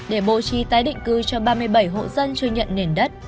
để bố trí tái định cư cho ba mươi bảy hộ dân chưa nhận nền đất